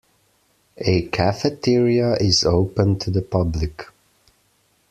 A cafeteria is open to the public.